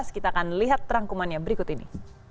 kita akan lihat terangkumannya berikut ini